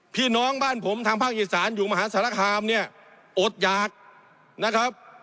พี่น้องบ้านผมทางภาคอีสานอยู่มหาสารคามเนี่ยอดหยากนะครับ